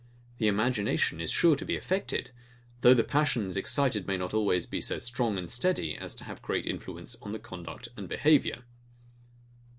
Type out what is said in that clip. The imagination is sure to be affected; though the passions excited may not always be so strong and steady as to have great influence on the conduct and behaviour.